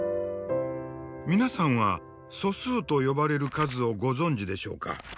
皆さんは素数と呼ばれる数をご存じでしょうか。